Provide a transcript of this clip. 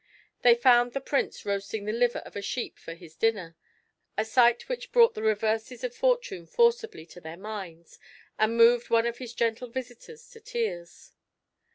They found the Prince roasting the liver of a sheep for his dinner, a sight which brought the reverses of fortune forcibly to their minds, and moved one of his gentle visitors to tears.